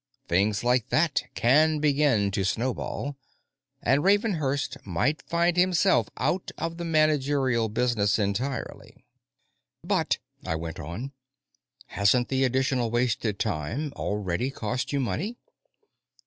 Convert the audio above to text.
Things like that can begin to snowball, and Ravenhurst might find himself out of the managerial business entirely. "But," I went on, "hasn't the additional wasted time already cost you money?"